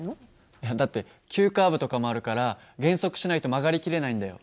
いやだって急カーブとかもあるから減速しないと曲がりきれないんだよ。